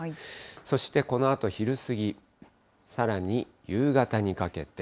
そしてこのあと昼過ぎ、さらに夕方にかけて。